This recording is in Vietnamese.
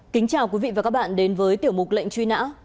kính chào quý vị và các bạn đến với tiểu mục lệnh truy nã